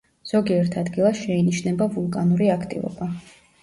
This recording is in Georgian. ზოგიერთ ადგილას შეინიშნება ვულკანური აქტივობა.